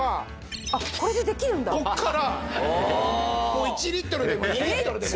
もう１リットルでも２リットルでも。